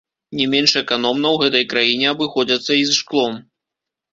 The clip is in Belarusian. Не менш эканомна ў гэтай краіне абыходзяцца і з шклом.